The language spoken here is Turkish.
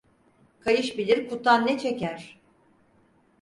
Kayış bilir kutan ne çeker.